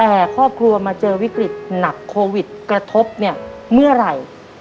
แต่ครอบครัวมาเจอวิกฤตหนักโควิดกระทบเนี่ยเมื่อไหร่